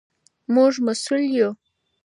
موږ مسؤل یو.